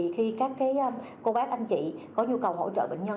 khi các cô bác anh chị có nhu cầu hỗ trợ bệnh nhân